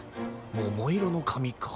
ももいろのかみか。